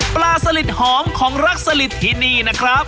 ปลาสลิดหอมของรักสลิดที่นี่นะครับ